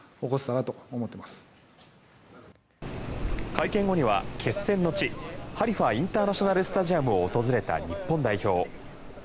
会見後には決戦の地ハリファ・インターナショナル・スタジアムを訪れた日本代表。